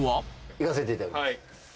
行かせていただきます。